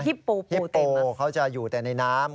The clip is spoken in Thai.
ฮิปโปเต็มมาฮิปโปเขาจะอยู่แต่ในน้ำ